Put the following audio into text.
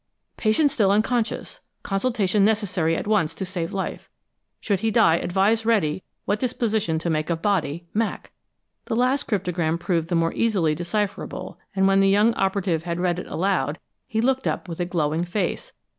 "'Patient still unconscious. Consultation necessary at once to save life. Should he die advise Reddy what disposition to make of body. Mac.'" The last cryptogram proved the more easily decipherable, and when the young operative had read it aloud, he looked up with a glowing face.